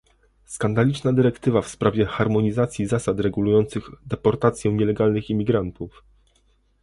skandaliczna dyrektywa w sprawie harmonizacji zasad regulujących deportację nielegalnych imigrantów